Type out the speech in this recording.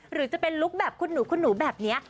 หรือจะเป็นลุคแบบคุณหนูแบบนี้